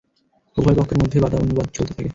উভয় পক্ষের মধ্যে বাদানুবাদ চলতে থাকে।